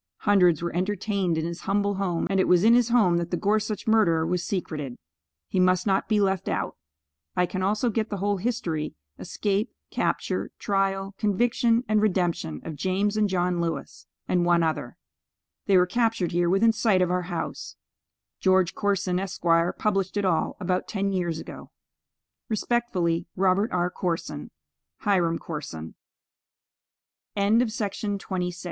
Hundreds were entertained in his humble home, and it was in his home that the Gorsuch murderer was secreted. He must not be left out. I can also get the whole history, escape, capture, trial, conviction and redemption of James and John Lewis, and one other. They were captured here within sight of our house. George Corson, Esq., published it all, about ten years ago. Respectfully, ROBERT R. CORSON. HIRAM CORSON. CHARLES D. CLEVELAND. Mr.